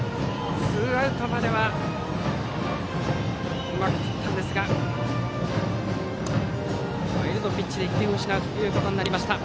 ツーアウトまではうまくとったんですがワイルドピッチで１点を失うことになりました。